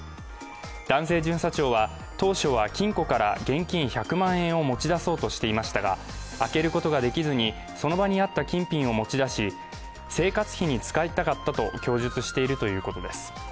男性巡査長は当初は金庫から現金１００万円を持ち出そうとしていましたが開けることができずにその場にあった金品を持ち出し生活費に使いたかったと供述しているということです。